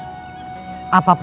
kita akan mencapai kemampuan